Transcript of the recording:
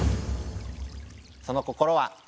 その心は？